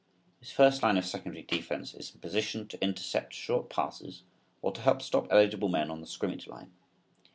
This first line of secondary defense is in position to intercept short passes or to help stop eligible men on the scrimmage line.